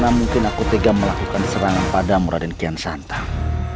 saya tidak bisa tega melakukan serangan pada muradin kian santang